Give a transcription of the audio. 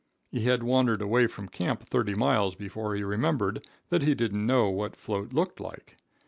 He had wandered away from camp thirty miles before he remembered that he didn't know what float looked like.